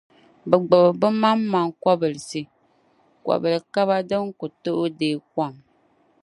bɛ gbi bɛmaŋmaŋ’ kɔbilisi, kɔbil’ kaba din ku tooi deei kom.